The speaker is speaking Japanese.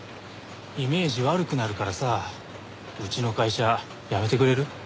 イメージ悪くなるからさうちの会社辞めてくれる？